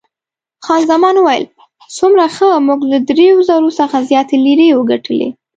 خان زمان وویل، څومره ښه، موږ له دریو زرو څخه زیاتې لیرې وګټلې.